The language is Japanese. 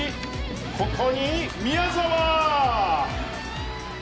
ここに、宮澤！